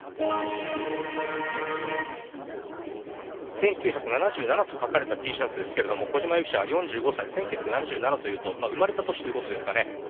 １９７７と書かれたＴシャツですけども、小島容疑者、４５歳、１９７７というと生まれた年ということですかね。